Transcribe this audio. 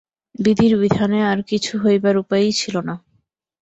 বিধির বিধানে আর কিছু হইবার উপায়ই ছিল না।